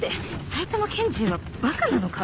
埼玉県人はバカなのか？